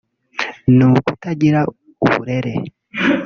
ni ukutagira uburere